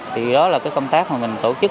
thì đó là cái công tác mà mình tổ chức